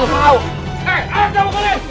eh jangan mukulin